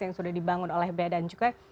yang sudah dibangun oleh bea dan cukai